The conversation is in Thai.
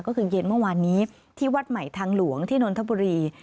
ก็คือเย็นเมื่อวานนี้ที่วัดใหม่ทางหลวงที่นนทบุรี